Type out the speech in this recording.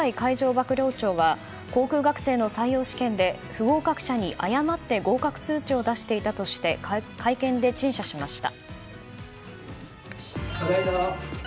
幕僚長は航空学生の採用試験で不合格者に誤って合格通知を出していたとして会見で陳謝しました。